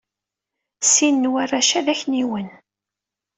Sin n warrac-a d akniwen.